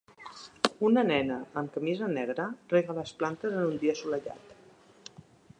Una nena amb camisa negra rega les plantes en un dia assolellat